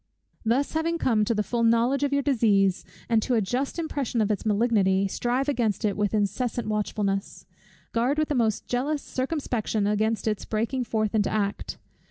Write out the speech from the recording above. Thus having come to the full knowledge of your disease, and to a just impression of its malignity, strive against it with incessant watchfulness. Guard with the most jealous circumspection against its breaking forth into act.